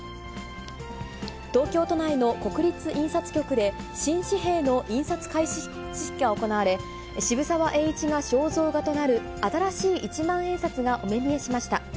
東京都内の国立印刷局で、新紙幣の印刷開始式が行われ、渋沢栄一が肖像画となる新しい一万円札がお目見えしました。